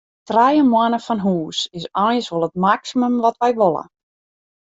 Trije moanne fan hûs is eins wol it maksimum wat wy wolle.